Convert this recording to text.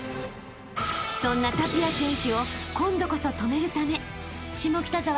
［そんなタピア選手を今度こそ止めるため下北沢